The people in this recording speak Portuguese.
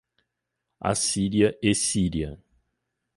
Assíria e Síria